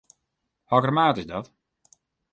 Hokker maat is dat?